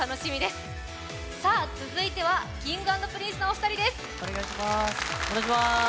続いてはＫｉｎｇ＆Ｐｒｉｎｃｅのお二人です。